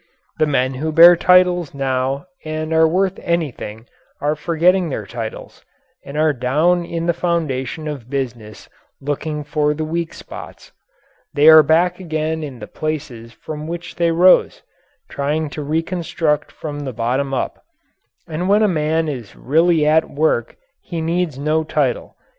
The men who bear titles now and are worth anything are forgetting their titles and are down in the foundation of business looking for the weak spots. They are back again in the places from which they rose trying to reconstruct from the bottom up. And when a man is really at work, he needs no title.